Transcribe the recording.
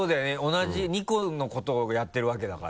同じ２個のことをやってるわけだから。